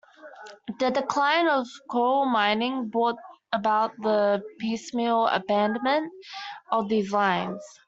The decline of coal mining brought about the piecemeal abandonment of these lines.